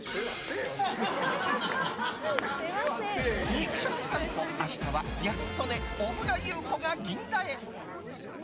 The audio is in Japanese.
肉食さんぽ明日はギャル曽根小倉優子が銀座へ。